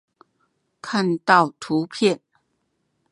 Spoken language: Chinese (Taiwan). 看到圖片